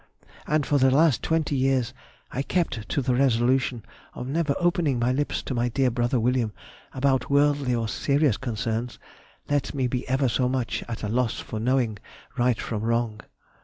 And for the last twenty years I kept to the resolution of never opening my lips to my dear brother William about worldly or serious concerns, let me be ever so much at a loss for knowing right from wrong.